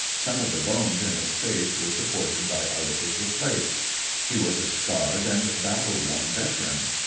Some of the bones in his face were supported by artificial plates. He was a scarred and battle worn veteran.